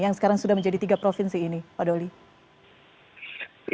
yang sekarang sudah menjadi tiga provinsi ini pak doli